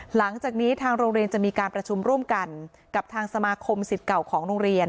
หลังจากนี้ทางโรงเรียนจะมีการประชุมร่วมกันกับทางสมาคมสิทธิ์เก่าของโรงเรียน